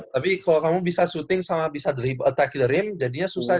tapi kalau kamu bisa syuting sama bisa dribble attack the rim jadinya susah